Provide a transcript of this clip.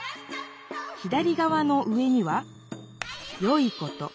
左がわの上には「よいこと」。